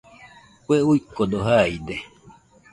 Kue uikode jaide